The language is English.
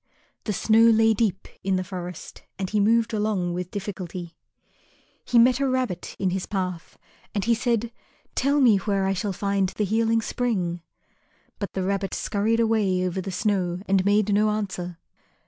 The snow lay deep in the forest and he moved along with difficulty. He met a rabbit in his path and he said, "Tell me where I shall find the Healing Spring?" But the rabbit scurried away over the snow and made no answer.